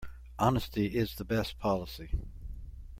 Honesty is the best policy.